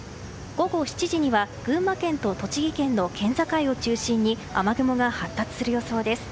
午後７時には群馬県と栃木県の県境を中心に雨雲が発達する予想です。